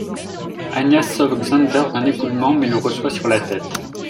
Anya sauve Xander d'un éboulement mais le reçoit sur la tête.